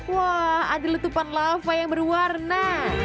wah ada letupan lava yang berwarna